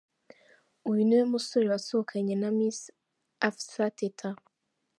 Uyu niwe musore wasohokanye na Miss Afsa Teta.